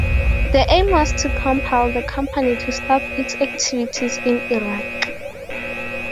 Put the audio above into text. The aim was to compel the company to stop its activities in Iraq.